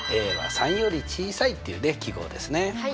３より小さいっていう記号ですね。